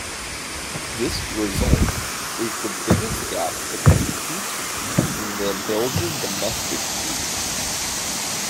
This result is the biggest gap between two teams in the Belgian Domestic League.